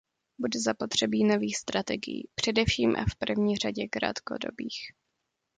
Bude zapotřebí nových strategií, především a v první řadě krátkodobých.